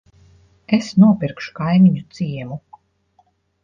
Es nopirkšu kaimiņu ciemu.